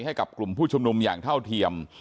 ให้กับกลุ่มผู้ชุมนุมอย่างเท่าเทียม